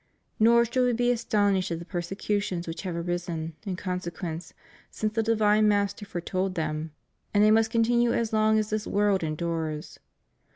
Nor should we be as tonished at the persecutions which have arisen, in con sequence, since the divine Master foretold them, and they must continue as long as this world endures.